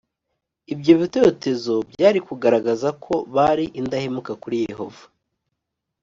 ibyo bitotezo byari kugaragaza ko bari indahemuka kuri yehova.